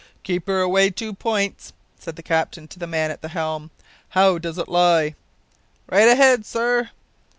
"Keep her away two points," said the captain to the man at the helm. "How does it lie?" "Right ahead, sir."